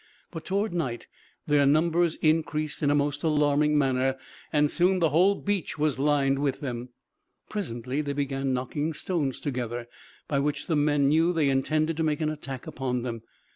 But toward night their numbers increased in a most alarming manner, and soon the whole beach was lined with them. Presently they began knocking stones together, by which the men knew they intended to make an attack upon them.